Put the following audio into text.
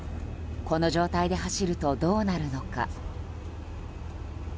この状態で走るとどうなるのか。